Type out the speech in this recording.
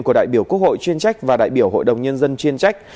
của đại biểu quốc hội chuyên trách và đại biểu hội đồng nhân dân chuyên trách